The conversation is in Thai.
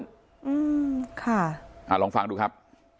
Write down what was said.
อืมค่ะอ่าลองฟังดูครับ